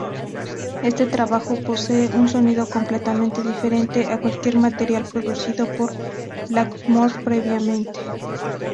Este trabajo posee un sonido completamente diferente a cualquier material producido por Blackmore previamente.